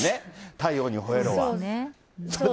太陽にほえろ！は。